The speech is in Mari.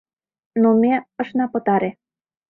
Но ме... ышна пытаре...